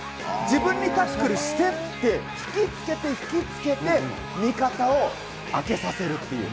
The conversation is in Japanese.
自分にタックルしてって、引きつけて、引きつけて、味方をあけさせるっていう。